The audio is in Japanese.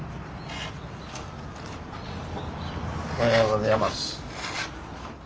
おはようございます。